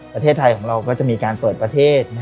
ประเทศไทยของเราก็จะมีการเปิดประเทศ